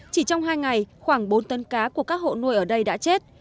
chỉ trong hai ngày khoảng bốn tấn cá của các hộ nuôi ở đây đã chết